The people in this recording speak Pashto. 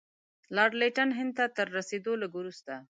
لارډ لیټن هند ته تر رسېدلو لږ وروسته.